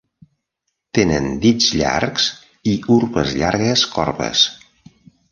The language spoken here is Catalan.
Tenen dits llargs i urpes llargues corbes.